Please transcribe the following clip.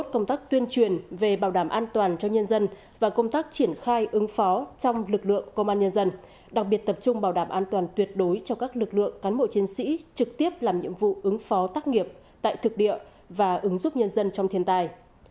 công tác tuyên truyền về bảo đảm an toàn cho nhân dân và công tác triển khai ứng phó trong lực lượng công an nhân dân đặc biệt tập trung bảo đảm an toàn tuyệt đối cho các lực lượng cán bộ chiến sĩ trực tiếp làm nhiệm vụ ứng phó tác nghiệp tại thực địa và ứng giúp nhân dân trong thiên tài